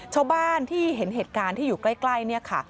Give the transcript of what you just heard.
ชาวบ้านที่เห็นเหตุการณ์ที่อยู่ใกล้เนี่ยค่ะ